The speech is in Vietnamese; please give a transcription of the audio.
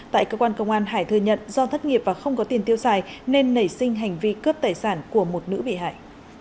tại cơ quan công an hải thừa nhận do thất nghiệp và không có tiền tiêu xài nên nảy sinh hành vi cướp tài sản của một nữ bị hại